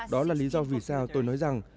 đó là lý do vì sao tôi nói rằng